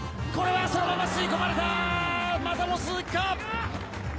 これはそのまま吸い込まれた、またも鈴木か！